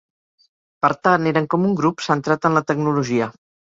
Per tant, eren com un grup "centrat en la tecnologia".